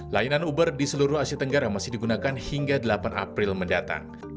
layanan uber di seluruh asia tenggara masih digunakan hingga delapan april mendatang